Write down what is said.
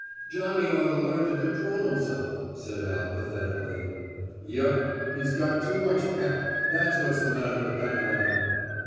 "Johnny ought to learn to control himself," said Al pathetically. "Yep. He's got too much pep that's what's the matter with that lad."